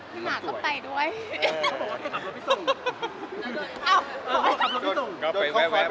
พี่หมากมันก็ไปด้วย